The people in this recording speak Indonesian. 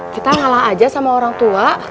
kita ngalah aja sama orang tua